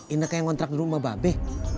ineke yang ngontrak di rumah mba be